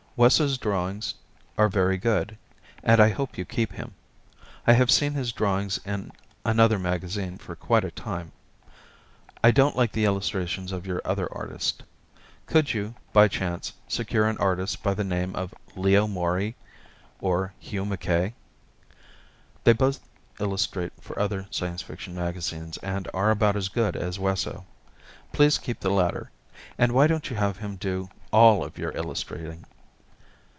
Wesso's drawings are very good, and I hope you keep him. I have seen his drawings in another magazine for quite a time. I don't like the illustrations of your other artist. Could you, by chance, secure an artist by the name of Leo Morey or Hugh Mackay? They both illustrate for other Science Fiction magazines and are about as good as Wesso. Please keep the latter. And why don't you have him to do all of your illustrating?